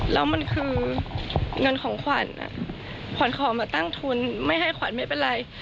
แล้วมันคือเงินของขวัญขวัญขอมาตั้งทุนไม่ให้ขวัญไม่เป็นไร